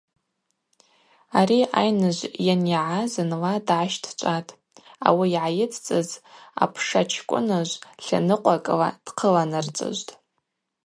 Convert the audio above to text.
Ари айныжв йанйагӏа зынла дгӏащтӏчӏватӏ, ауи йгӏайыцӏцӏыз апша Чкӏвыныжв тланыкъвакӏла дхъыланарцӏыжвтӏ.